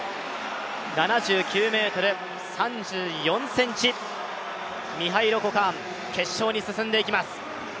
７９ｍ３４ｃｍ、ミハイロ・コカーン決勝に進んでいきます。